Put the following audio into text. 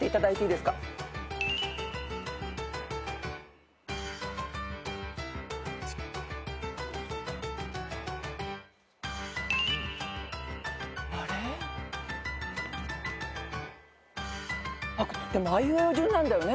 でもあいうえお順なんだよね？